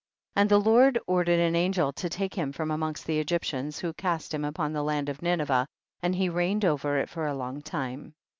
41. And the Lord ordered an an gel to take him from amongst the Egyptians, who cast him upon the land of Ninevah and he reigned over it for a long time.